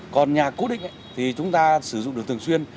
còn nhà cố định thì chúng ta sử dụng được thường xuyên